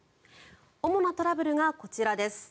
主なトラブルがこちらです。